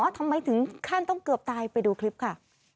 ถึงขั้นต้องเกือบตายไปดูคลิปค่ะ